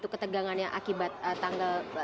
ketegangannya akibat tanggal